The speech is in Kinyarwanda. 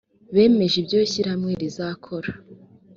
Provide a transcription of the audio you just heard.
bemeje ibyo ishyirahamwe rizakora.